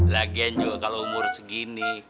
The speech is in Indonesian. lagian juga kalau umur segini